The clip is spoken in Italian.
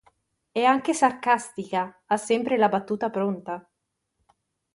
È anche sarcastica, ha sempre la battuta pronta.